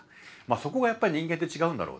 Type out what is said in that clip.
そこがやっぱり人間って違うんだろう。